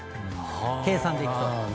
計算でいくと。